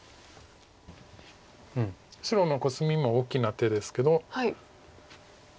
白のコスミも大きな手ですけど。